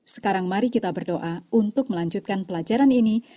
sekarang mari kita berdoa untuk melanjutkan pelajaran ini